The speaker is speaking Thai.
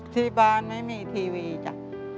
ที่บ้านไม่มีทีวีจ้ะ